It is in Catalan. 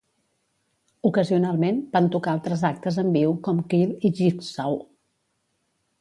Ocasionalment, van tocar altres actes en viu com Quill i Jigsaw.